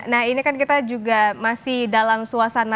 nah ini kan kita juga masih dalam suasana